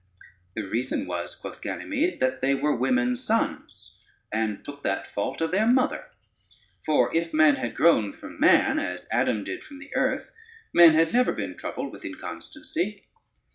"The reason was," quoth Ganymede, "that they were women's sons, and took that fault of their mother, for if man had grown from man, as Adam did from the earth, men had never been troubled with inconstancy."